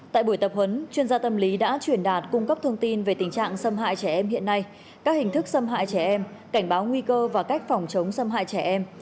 tại buổi tập huấn chuyên gia tâm lý đã truyền đạt cung cấp thông tin về tình trạng xâm hại trẻ em hiện nay các hình thức xâm hại trẻ em cảnh báo nguy cơ và cách phòng chống xâm hại trẻ em